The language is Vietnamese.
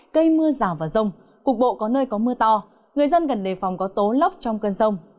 cây mưa rào vào rông cục bộ có nơi có mưa to người dân gần đề phòng có tố lóc trong cơn rông